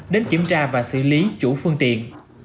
đến kiểm tra và xử lý chủ phương tiện